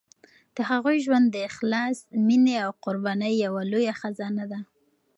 د هغوی ژوند د اخلاص، مینې او قربانۍ یوه لویه خزانه ده.